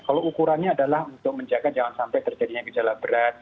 kalau ukurannya adalah untuk menjaga jangan sampai terjadinya gejala berat